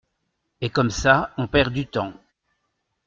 Et comme ça on perd du temps.